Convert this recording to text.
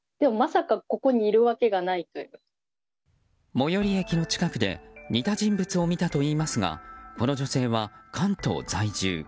最寄り駅の近くで似た人物を見たといいますがこの女性は関東在住。